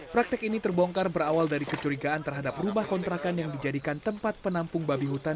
praktek ini terbongkar berawal dari kecurigaan terhadap rumah kontrakan yang dijadikan tempat penampung babi hutan